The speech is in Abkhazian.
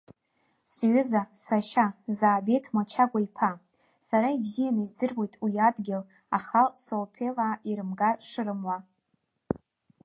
Сҩыза, сашьа, Заабеҭ Мачагәа-иԥа, сара ибзианы издыруеит, уи адгьыл АхалСоԥелаа ирымгар шырымуа.